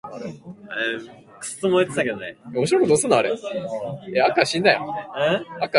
その翌日期待通り踊り子達に追いつく処から始まります。